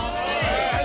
はい！